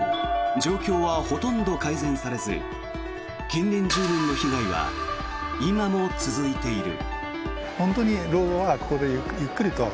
状況はほとんど改善されず近隣住民の被害は今も続いている。